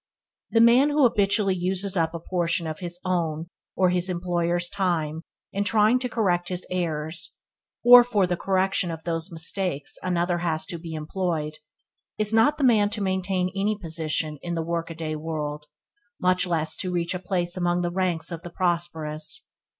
The man who habitually uses up a portion of his own or his employer's time in trying to correct his errors, or for the correction of whose mistakes another has to be employed, is not the man to maintain any position in the work a day world; much less to reach a place among the ranks of the prosperous.